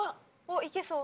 いけそう。